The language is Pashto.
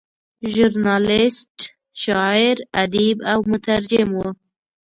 ژورنالیسټ، شاعر، ادیب او مترجم و.